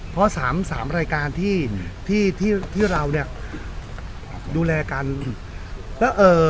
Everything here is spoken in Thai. เพราะสามสามรายการที่ที่ที่เราเนี่ยดูแลกันแล้วเอ่อ